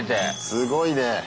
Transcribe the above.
すごいね。